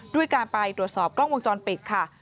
ด้วยการไปตรวจสอบกล้องวงจรปิดค่ะ